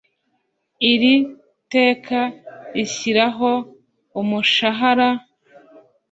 Iri teka rishyiraho umushahara